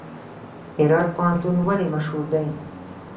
هرات پوهنتون ولې مشهور دی؟